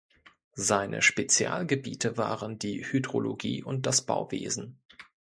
Seine Spezialgebiete waren die Hydrologie und das Bauwesen.